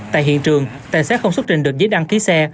tại hiện trường tài xế không xuất trình được giấy đăng ký xe